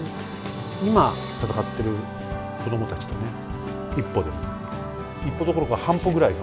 今戦ってる子供たちとね一歩でも一歩どころか半歩ぐらい。